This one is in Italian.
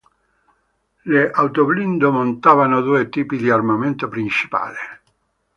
Le autoblindo montavano due tipi di armamento principale.